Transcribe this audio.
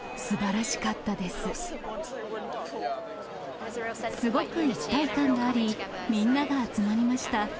すごく一体感があり、みんなが集まりました。